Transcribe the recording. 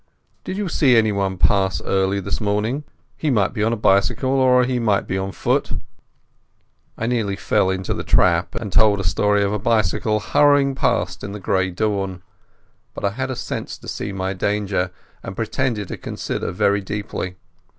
"Did you see anyone pass early this morning? He might be on a bicycle or he might be on foot." I very nearly fell into the trap and told a story of a bicyclist hurrying past in the grey dawn. But I had the sense to see my danger. I pretended to consider very deeply.